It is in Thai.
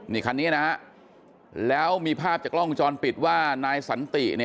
นี่คันนี้นะฮะแล้วมีภาพจากกล้องวงจรปิดว่านายสันติ